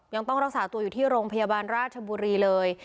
ยังต้องรักษาตัวอยู่ที่โรงพยาบาลราชบุรีเลย